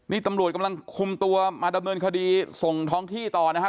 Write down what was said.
นี่ตำรวจกำลังคุมตัวมาดำเนินคดีส่งท้องที่ต่อนะฮะ